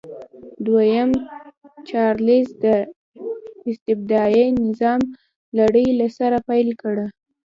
دویم چارلېز د استبدادي نظام لړۍ له سره پیل کړه.